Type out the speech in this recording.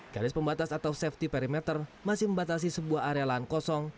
garis pembatas atau safety perimeter masih membatasi sebuah area lahan kosong